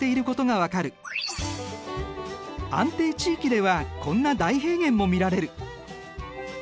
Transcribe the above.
安定地域ではこんな大平原も見られる。